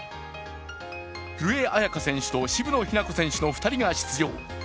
古江彩佳選手と渋野日向子選手の２人が出場。